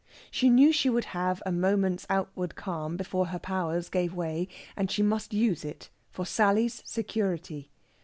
She knew she would have a moment's outward calm before her powers gave way, and she must use it for Sally's security.